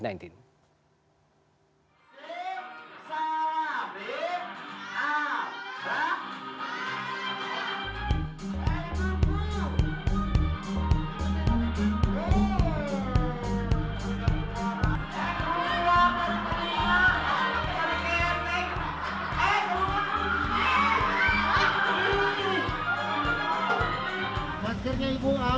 maskernya ibu amat